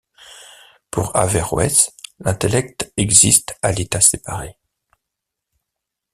Pour Averroès, l'intellect existe à l'état séparé.